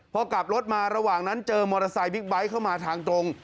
พอกลับรถมาระหว่างนั้นเจอมอเตอร์ไซค์บิ๊กไบท์เข้ามาทางตรง